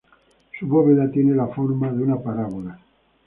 Su bóveda tiene la forma de una parábola.